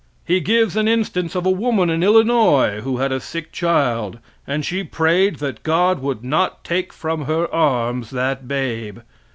He gives an instance of a woman in Illinois who had a sick child, and she prayed that God would not take from her arms that babe.